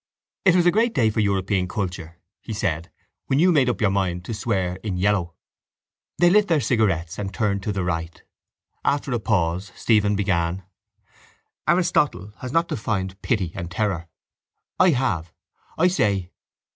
—It was a great day for European culture, he said, when you made up your mind to swear in yellow. They lit their cigarettes and turned to the right. After a pause Stephen began: —Aristotle has not defined pity and terror. I have. I say...